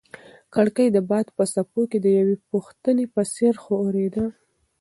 کړکۍ د باد په څپو کې د یوې پوښتنې په څېر ښورېده.